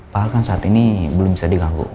pak al kan saat ini belum bisa dikanggu